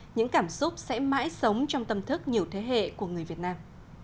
những cảm xúc sẽ mãi sống trong tâm thức nhiều thế hệ của người việt nam